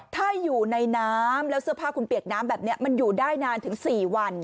ถ้าอยู่ในน้ำแล้วเสื้อผ้าคุณเปียกน้ำแบบนี้มันอยู่ได้นานถึง๔วัน